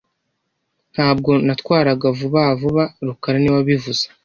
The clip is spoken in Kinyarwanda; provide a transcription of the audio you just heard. Ntabwo natwaraga vuba vuba rukara niwe wabivuze